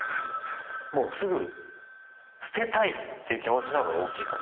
すぐ捨てたいっていう気持ちの方が大きいかもしれない。